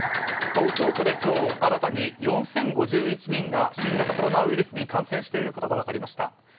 東京都で今日新たに４０５１人が新型コロナウイルスに感染していることが分かりました。